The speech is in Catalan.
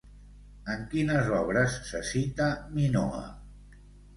En quines obres se cita, Minoa?